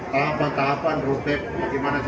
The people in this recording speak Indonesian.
dalam empat tahapan roadmap bagaimana kita mencapai